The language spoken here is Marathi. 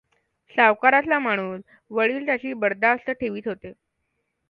सावकाराचा माणूस! वडील त्याची बरदास्त ठेवीत होते.